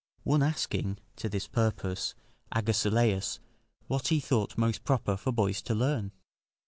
One asking to this purpose, Agesilaus, what he thought most proper for boys to learn?